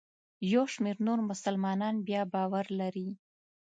یو شمېر نور مسلمانان بیا باور لري.